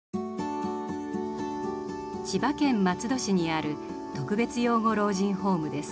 千葉県松戸市にある特別養護老人ホームです。